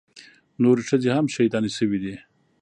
نورې ښځې هم شهيدانې سوې دي.